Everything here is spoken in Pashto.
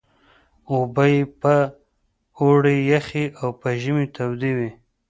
اوبه یې په اوړي یخې او په ژمي تودې وې.